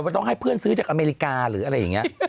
ต้องให้เพื่อนซื้อจากอเมริกาหรืออะไรอย่างนี้